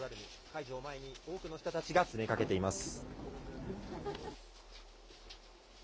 解除を前に、多くの人たちが詰めかけています。